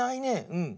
うん。